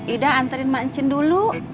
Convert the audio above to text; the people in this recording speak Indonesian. ida anterin mak cin dulu